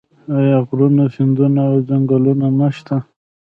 آیا غرونه سیندونه او ځنګلونه نشته؟